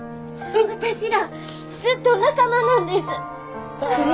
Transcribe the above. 私らずっと仲間なんです。